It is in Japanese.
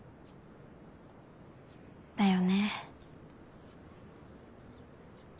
だよね。